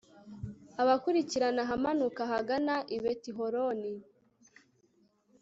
abakurikirana ahamanuka hagana i betihoroni